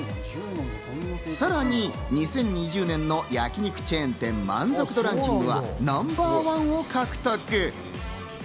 さらに２０２０年の焼肉チェーン店満足度ランキングはナンバーワンを獲得。